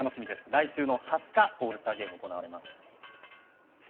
来週の２０日オールスターゲーム行われます。